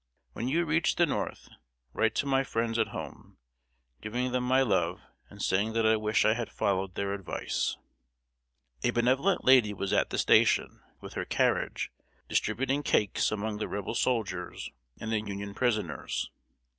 When you reach the North, write to my friends at home, giving them my love, and saying that I wish I had followed their advice." A benevolent lady was at the station, with her carriage, distributing cakes among the Rebel soldiers and the Union prisoners.